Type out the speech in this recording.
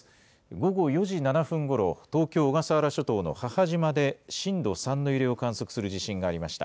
午後４時７分ごろ、東京・小笠原諸島の母島で震度３の揺れを観測する地震がありました。